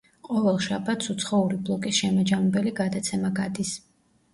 ყოველ შაბათს უცხოური ბლოკის შემაჯამებელი გადაცემა გადის.